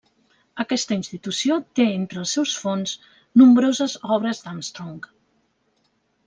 Aquesta institució té entre els seus fons nombroses obres d'Armstrong.